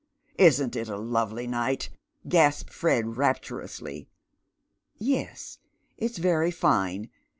"Isn't it a lovely night?" gasps Fred, rapturously. "Yes, it's very fine.